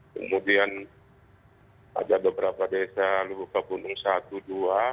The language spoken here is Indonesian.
kemudian ada beberapa desa lalu ke gunung satu dua